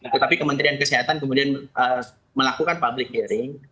tetapi kementerian kesehatan kemudian melakukan public hearing